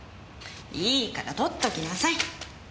いいから取っときなさい。